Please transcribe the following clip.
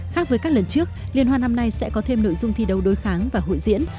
khác với các lần trước liên hoan năm nay sẽ có thêm nội dung thi đấu đối kháng và hội diễn